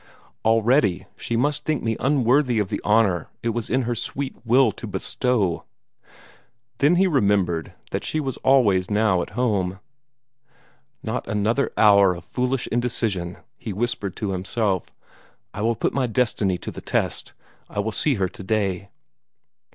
Already she must think me unworthy of the honor it was in her sweet will to bestow." Then he remembered that she was now always at home. "Not another hour of foolish indecision!" he whispered to himself. "I will put my destiny to the test. I will see her today!"